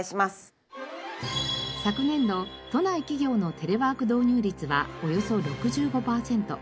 昨年度都内企業のテレワーク導入率はおよそ６５パーセント。